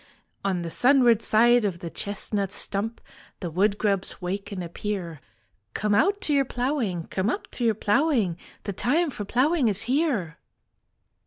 On the sunward side of the chestnut stump The woodgrubs wake and appear. Come out to your ploughing, come up to your ploughing, The time for ploughing is here."